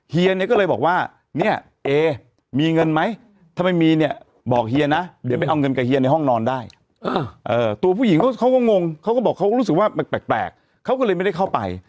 เฮียเนี่ยก็เลยบอกว่าเนี่ยเอมีเงินไหมถ้าไม่มีเนี่ยบอกเฮียนะเดี๋ยวไปเอาเงินกับเฮียในห้องนอนได้ตัวผู้หญิงเขาก็งงเขาก็บอกเขาก็รู้สึกว่ามันแปลกเขาก็เลยไม่ได้เข้าไป